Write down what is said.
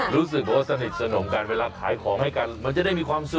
รู้สึกว่าสนิทสนมกันเวลาขายของให้กันมันจะได้มีความสุข